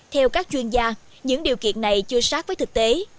theo các chuyên gia những điều kiện này chưa sát với thực tế